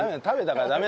ダメ。